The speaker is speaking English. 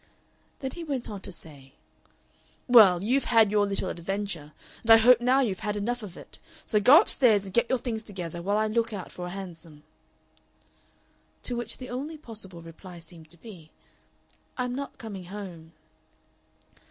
Then he went on to say: "Well, you've had your little adventure, and I hope now you've had enough of it. So go up stairs and get your things together while I look out for a hansom." To which the only possible reply seemed to be, "I'm not coming home."